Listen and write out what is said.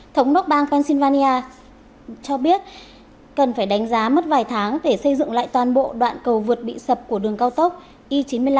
thống đốc bang pennsylvania cho biết cần phải đánh giá mất vài tháng để xây dựng lại toàn bộ đoạn cầu vượt bị sập của đường cao tốc y chín mươi năm